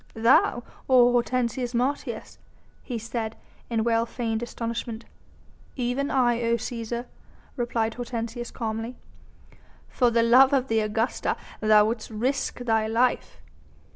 "Thou, O Hortensius Martius?" he said, in well feigned astonishment. "Even I, O Cæsar!" replied Hortensius calmly. "For love of the Augusta thou wouldst risk thy life?"